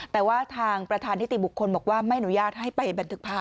แต่ทางประธานทฤติบุคคลบอกว่าไม่หนุนยากให้ไปแบนทึกภาพ